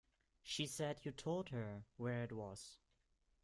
She said you told her where it was.